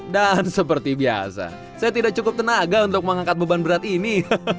dan seperti biasa saya tidak cukup tenaga untuk mengangkat beban berat ini